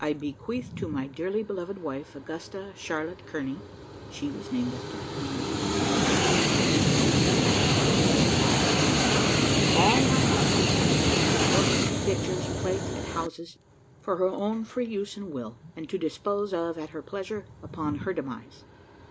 "I bequeath to my dearly beloved wife, Augusta Charlotte Kearney (she was named after the Queen and Princess Augusta, who held her at the baptismal font), all my household furniture, books, pictures, plate, and houses, for her own free use and will, and to dispose of at her pleasure upon her demise.